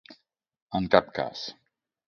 En cap cas.